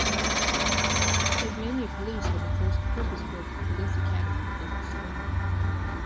Tasmania Police had the first purpose-built Police Academy in Australia.